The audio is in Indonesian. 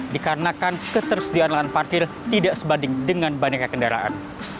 dikarenakan ketersediaan lahan parkir tidak sebanding dengan banyaknya kendaraan